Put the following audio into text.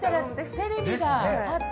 テレビがあって。